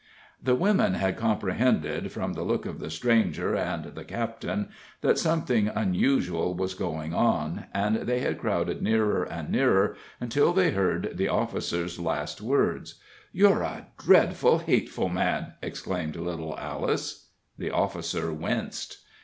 The women had comprehended, from the look of the stranger and the captain, that something unusual was going on, and they had crowded nearer and nearer, until they heard the officer's last words. "You're a dreadful, hateful man!" exclaimed little Alice. The officer winced.